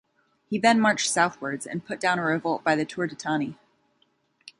He then marched southwards and put down a revolt by the Turdetani.